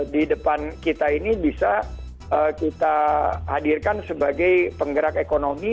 di depan kita ini bisa kita hadirkan sebagai penggerak ekonomi